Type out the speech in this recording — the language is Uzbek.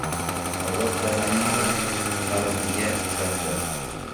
Olloh taoloning tig‘i parroniga uchrabdi.